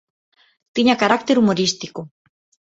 Tiña carácter humorístico.